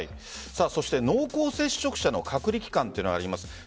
そして濃厚接触者の隔離期間というのがあります。